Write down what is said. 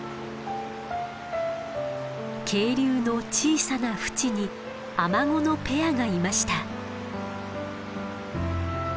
渓流の小さな淵にアマゴのペアがいました。